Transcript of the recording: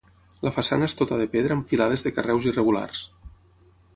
La façana és tota de pedra amb filades de carreus irregulars.